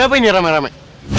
apa ini ramai ramai